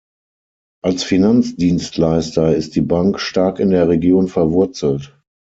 Als Finanzdienstleister ist die Bank stark in der Region verwurzelt.